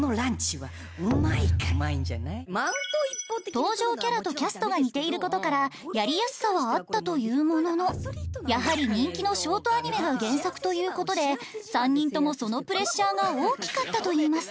登場キャラとキャストが似ていることからやりやすさはあったというもののやはり人気のショートアニメが原作ということで３人ともそのプレッシャーが大きかったといいます